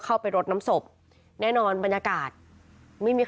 คือตอนที่แม่ไปโรงพักที่นั่งอยู่ที่สพ